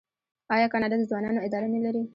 آیا کاناډا د ځوانانو اداره نلري؟